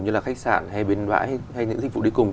như là khách sạn hay biến vãi hay những dịch vụ đi cùng